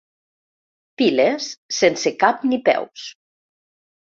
Piles sense cap ni peus.